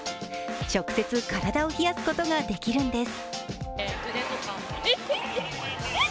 直接体を冷やすことができるんです。